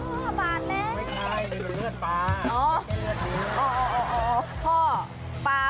หมายถึงเลือดปลา